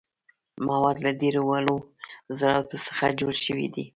مواد له ډیرو وړو ذراتو څخه جوړ شوي دي.